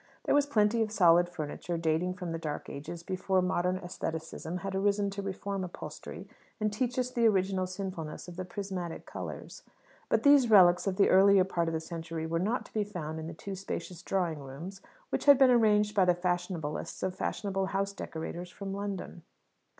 There was plenty of solid furniture, dating from the dark ages before modern æstheticism had arisen to reform upholstery and teach us the original sinfulness of the prismatic colours. But these relics of the earlier part of the century were not to be found in the two spacious drawing rooms, which had been arranged by the fashionablest of fashionable house decorators from London.